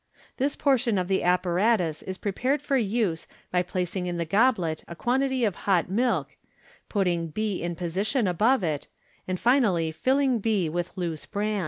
This portion of the appa ratus is prepared for use by placing in the goblet a quantity of hot n>ilk, putting b in position above it, and finally filling b with loose bran.